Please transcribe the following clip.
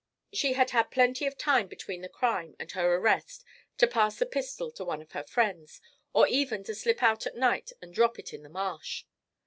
She had had plenty of time between the crime and her arrest to pass the pistol to one of her friends, or even to slip out at night and drop it in the marsh.